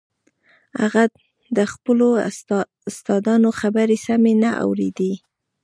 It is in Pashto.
هغه د خپلو استادانو خبرې سمې نه اورېدې.